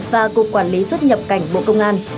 và cục quản lý xuất nhập cảnh bộ công an